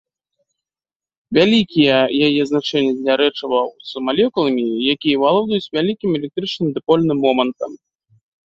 Вялікія яе значэнне для рэчываў з малекуламі, якія валодаюць вялікім электрычным дыпольным момантам.